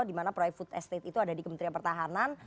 dimana proyek food estate itu ada di kementerian pertahanan